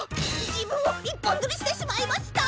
自分を一本づりしてしまいました。